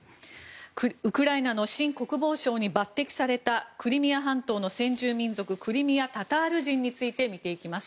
ウクライナの新国防相に抜てきされたクリミア半島の先住民族クリミア・タタール人について見ていきます。